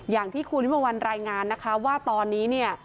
อย่างที่คุณวิมวลวันรายงานนะคะว่าตอนนี้เนี่ย